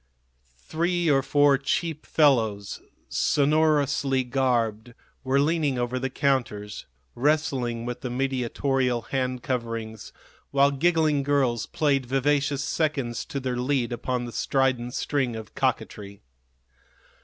Three or four cheap fellows, sonorously garbed, were leaning over the counters, wrestling with the mediatorial hand coverings, while giggling girls played vivacious seconds to their lead upon the strident string of coquetry.